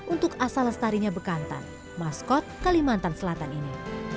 untuk asal lestarinya bekantan maskot kalimantan selatan ini